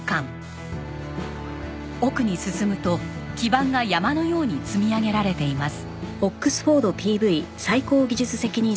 奥に進むと基板が山のように積み上げられています。